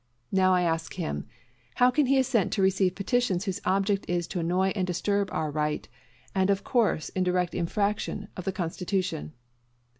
Now I ask him, how can he assent to receive petitions whose object is to annoy and disturb our right, and of course in direct infraction of the Constitution?